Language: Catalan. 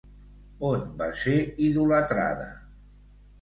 On va ser idolatrada?